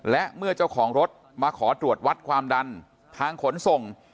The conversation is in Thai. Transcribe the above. และเมื่อเจ้าของรถมาขอตรวจวัดความดันทางขนส่ง